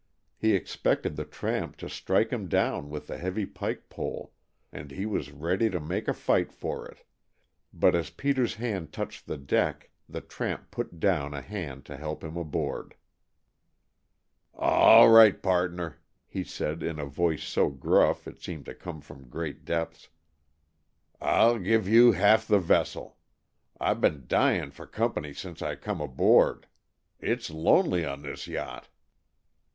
He expected the tramp to strike him down with the heavy pike pole, and he was ready to make a fight for it, but as Peter's hand touched the deck the tramp put down a hand to help him aboard. "All right, pardner," he said in a voice so gruff it seemed to come from great depths, "I'll give you half the vessel. I've been dyin' for company since I come aboard. It's lonely on this yacht."